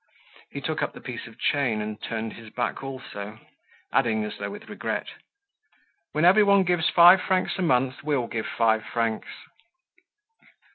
He took up the piece of chain and turned his back also, adding as though with regret: "When everyone gives five francs a month, we'll give five francs."